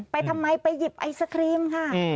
ทำไมไปหยิบไอศครีมค่ะ